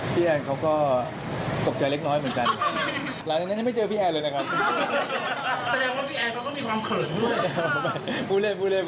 มันโดนจริงใช่ไหม